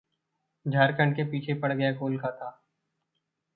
झारखंड के पीछे पड़ गया कोलकाता